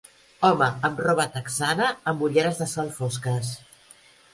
Home amb roba texana amb ulleres de sol fosques.